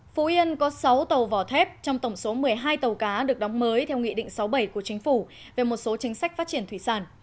phú yên có sáu tàu vỏ thép trong tổng số một mươi hai tàu cá được đóng mới theo nghị định sáu bảy của chính phủ về một số chính sách phát triển thủy sản